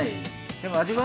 でも味は。